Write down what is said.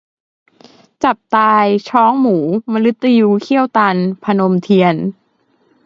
จับตาย : ช้องหมู มฤตยูเขี้ยวตัน - พนมเทียน